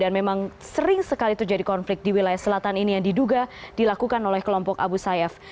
dan memang sering sekali itu jadi konflik di wilayah selatan ini yang diduga dilakukan oleh kelompok abu sayyaf